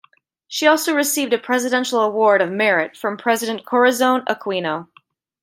She also received a Presidential Award of Merit from President Corazon Aquino.